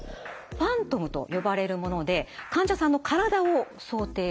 ファントムと呼ばれるもので患者さんの体を想定しています。